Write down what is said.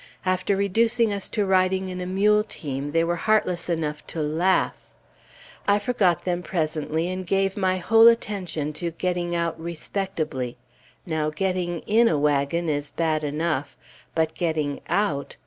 After reducing us to riding in a mule team, they were heartless enough to laugh! I forgot them presently, and gave my whole attention to getting out respectably. Now getting in a wagon is bad enough; but getting out